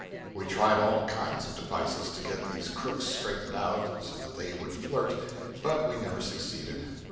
We tried all kinds of devices to get these crooks straightened out so that they would flirt, but we never succeeded.